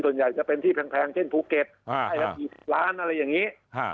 ส่วนใหญ่จะเป็นที่แพงเช่นภูเก็ตให้ละกี่ล้านอะไรอย่างนี้